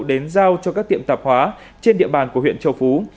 đến giao cho các tiệm tạp hóa trên địa bàn của huyện châu phú